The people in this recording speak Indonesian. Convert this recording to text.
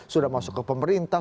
sudah masuk ke pemerintah